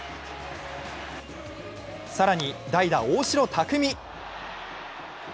更に代打・大城卓三。